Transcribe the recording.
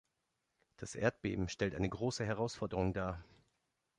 Das Erdbeben stellt eine große Herausforderung dar.